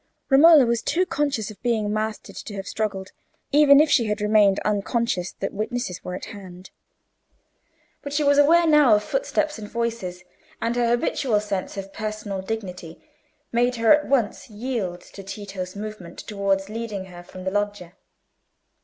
Romola was too conscious of being mastered to have struggled, even if she had remained unconscious that witnesses were at hand. But she was aware now of footsteps and voices, and her habitual sense of personal dignity made her at once yield to Tito's movement towards leading her from the loggia.